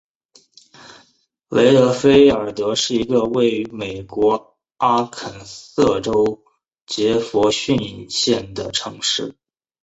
雷德菲尔德是一个位于美国阿肯色州杰佛逊县的城市。